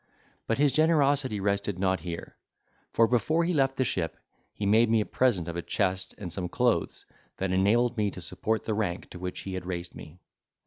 But his generosity rested not here; for before he left the ship he made me a present of a chest and some clothes that enabled me to support the rank to which he had raised me.